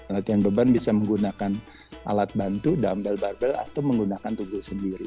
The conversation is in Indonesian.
latihan beban bisa menggunakan alat bantu dumbel barbel atau menggunakan tubuh sendiri